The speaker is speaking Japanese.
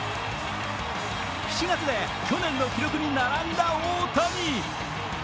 ７月で去年の記録に並んだ大谷。